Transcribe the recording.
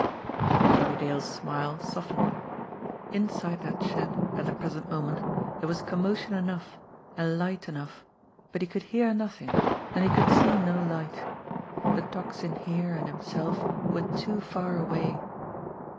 Jimmie Dale's smile softened. Inside that shed at the present moment there was commotion enough and light 9 10 JIMMIE DALE AND THE PHANTOM CLUE enough; but he could hear nothing, and he could see no light. The Tocsin here and himself were too far away.